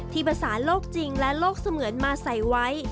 ภาษาโลกจริงและโลกเสมือนมาใส่ไว้